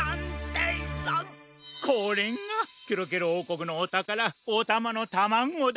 これがケロケロおうこくのおたからおたまのタマゴだ！